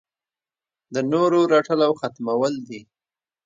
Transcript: د نورو رټل او ختمول دي.